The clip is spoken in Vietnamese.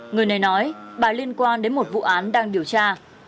người này nói bà liên quan đến một vụ án đang điều tra